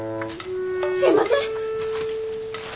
すいません！